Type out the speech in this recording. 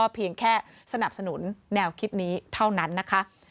เพียงแค่สนับสนุนแนวคิดนี้เท่านั้นนะคะ